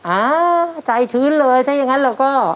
อ่าใจชื้นเลยถ้าอย่างนั้นเราก็